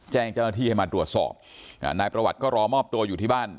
แจ้งเจ้าหน้าที่ให้มาตรวจสอบนายประวัติก็รอมอบตัวอยู่ที่บ้าน